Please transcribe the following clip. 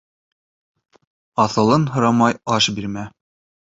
Аҫылын һорамай аш бирмә